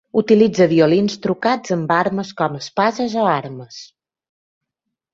Utilitza violins trucats amb armes com espases o armes.